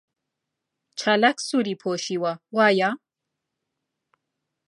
چالاک سووری پۆشیوە، وایە؟